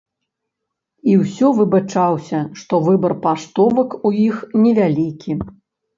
І ўсё выбачаўся, што выбар паштовак у іх невялікі.